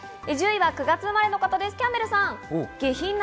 １０位は９月生まれの方、キャンベルさん。